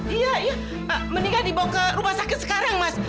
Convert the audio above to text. iya iya mendingan dibawa ke rumah sakit sekarang mas